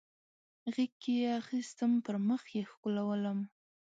غیږ کې اخیستم پر مخ یې ښکلولم